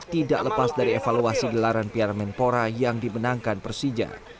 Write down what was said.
tidak lepas dari evaluasi gelaran piala menpora yang dimenangkan persija